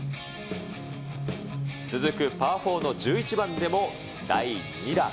続くパー４の１１番でも第２打。